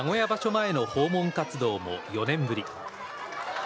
前の訪問活動も４年ぶり。